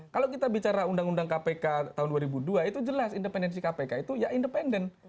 kalau kita bicara undang undang kpk tahun dua ribu dua itu jelas independensi kpk itu ya independen